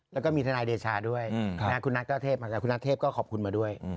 แล้วก็มีทนายเดชาด้วยคุณนัทคุณนัทเทพก็ขอบคุณมาด้วย